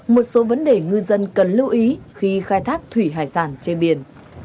một số vấn đề ngư dân cần lưu ý khi khai thác thủy hải sản trên biển